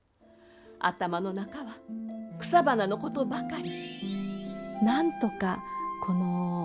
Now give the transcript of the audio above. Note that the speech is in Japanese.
頭の中は草花のことばかり。